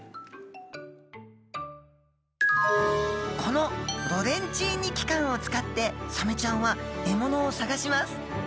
このロレンチーニ器官を使ってサメちゃんは獲物を探します。